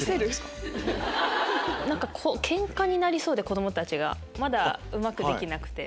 ケンカになりそうで子供たちがまだうまくできなくて。